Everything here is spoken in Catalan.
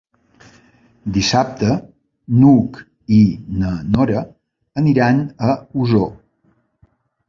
Dissabte n'Hug i na Nora aniran a Osor.